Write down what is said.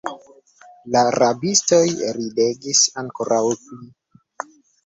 La rabistoj ridegis ankoraŭ pli.